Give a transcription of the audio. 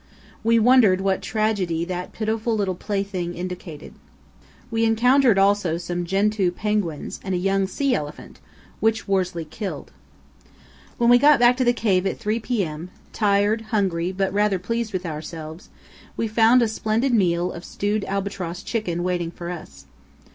We wondered what tragedy that pitiful little plaything indicated. We encountered also some gentoo penguins and a young sea elephant, which Worsley killed. When we got back to the cave at 3 p.m., tired, hungry, but rather pleased with ourselves, we found a splendid meal of stewed albatross chicken waiting for us.